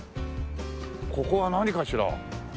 ここは何かしら？